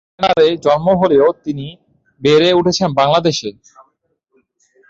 মিয়ানমারে জন্ম হলেও তিনি বেড়ে উঠেছেন বাংলাদেশে।